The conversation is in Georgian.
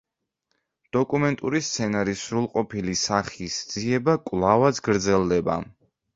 დოკუმენტური სცენარის სრულყოფილი სახის ძიება კვლავაც გრძელდება.